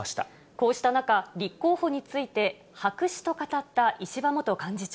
こうした中、立候補について白紙と語った石破元幹事長。